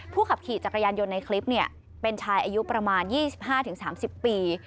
ขับขี่จักรยานยนต์ในคลิปเป็นชายอายุประมาณ๒๕๓๐ปี